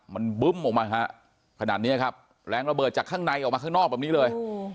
มันบึ้มออกมาฮะขนาดนี้ครับแรงระเบิดจากข้างในออกมาข้างนอกแบบนี้เลย